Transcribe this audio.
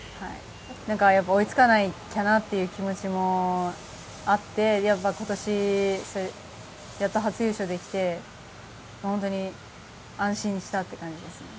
なんかやっぱ、追いつかなきゃなという気持ちもあって、やっぱことし、やっと初優勝できて、本当に安心したっていう感じですね。